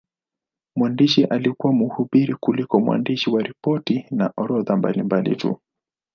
Mwandishi alikuwa mhubiri kuliko mwandishi wa ripoti na orodha mbalimbali tu.